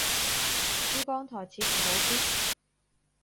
珠江台似乎好啲